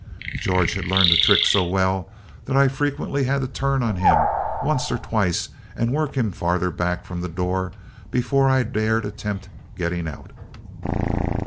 George had learned the trick so well that I frequently had to turn on him once or twice and work him farther back from the door before I dared attempt getting out."